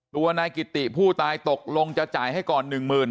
ตัวนายกิติผู้ตายตกลงจะจ่ายให้ก่อน๑หมื่น